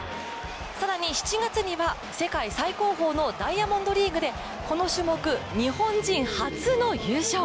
更に７月には世界最高峰のダイヤモンドリーグでこの種目、日本人初の優勝。